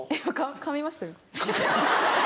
かみましたよね。